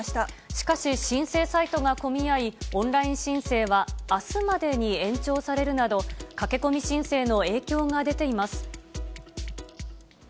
しかし、申請サイトが混みあい、オンライン申請はあすまでに延長されるなど、駆け込み申請の影響が出ています。